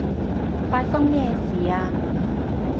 發生咩事啊？